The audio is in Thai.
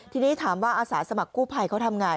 ทีนี้ถามว่าอาสาสมัครกู้ภัยเขาทำไง